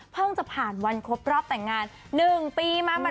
จะผ่านวันครบรอบแต่งงาน๑ปีมา